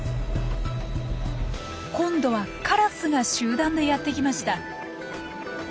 今度はカラスが集団でやって来ました。